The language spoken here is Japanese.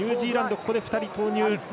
ここで２人投入。